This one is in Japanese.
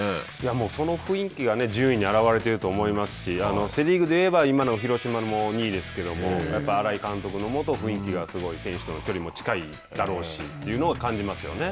もうその雰囲気が、順位に表れていると思いますし、セ・リーグで言えば、今の広島も２位ですけれども、やっぱり新井監督のもと、雰囲気がすごい選手との距離も近いだろうしというのは感じますよ